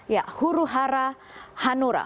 ya huruhara hanura